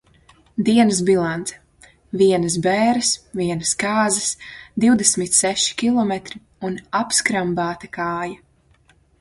Dienas bilance: Vienas bēres, vienas kāzas, divdesmit seši kilometri un apskrambāta kāja.